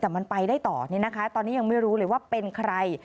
แต่มันไปได้ต่อตอนนี้ยังไม่รู้เลยว่าเป็นใคร